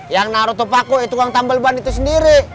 yang naruto paku itu kong tambel ban itu sendiri